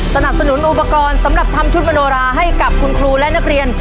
สนับสนุนอุปกรณ์สำหรับทำชุดมโนราให้กับคุณครูและนักเรียน